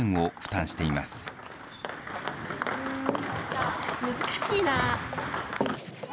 難しいな。